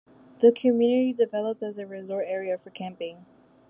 The community developed as a resort area for camping.